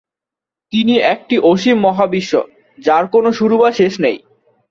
তিনি একটি অসীম মহাবিশ্ব, যার কোনো শুরু বা শেষ নেই।